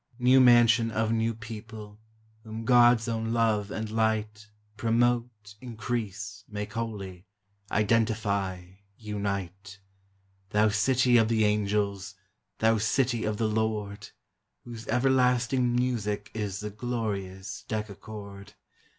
New mansion of new people, Whom God's own love and light Promote, increase, make holy, Identify, unite! Thou City of the Angels! Thou City of the Lord ! Whose everlasting music Is the glorious decachord!